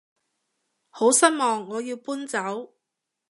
好失望我要搬走